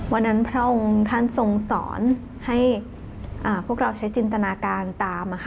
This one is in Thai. พระองค์ท่านทรงสอนให้พวกเราใช้จินตนาการตาม